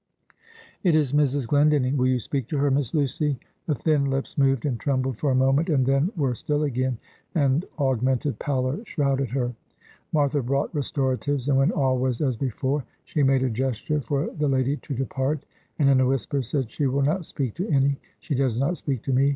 "It is Mrs. Glendinning. Will you speak to her, Miss Lucy?" The thin lips moved and trembled for a moment, and then were still again, and augmented pallor shrouded her. Martha brought restoratives; and when all was as before, she made a gesture for the lady to depart, and in a whisper, said, "She will not speak to any; she does not speak to me.